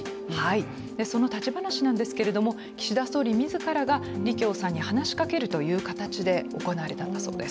その立ち話なんですけど岸田総理自らが李強さんに話しかけるという形で行われたんだそうです。